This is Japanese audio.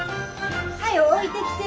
早う置いてきて。